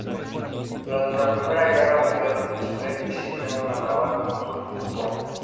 Durante la Primera Guerra Mundial, Sprague sirvió en la "Naval Consulting Board".